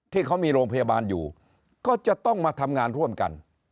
ที่เขามีโรงพยาบาลอยู่ก็จะต้องมาทำงานร่วมกัน